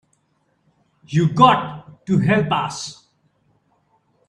You got to help us.